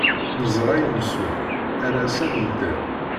Neẓra i neswa, ar ass-a nedder.